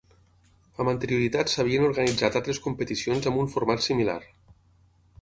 Amb anterioritat s'havien organitzat altres competicions amb un format similar.